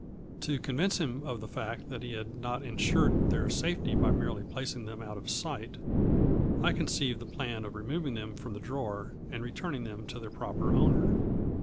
To convince him of the fact that he had not insured their safety by merely placing them out of sight, I conceived the plan of removing them from the drawer, and returning them to their proper owner.